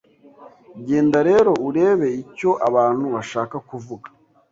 Genda rero urebe icyo abantu bashaka kuvuga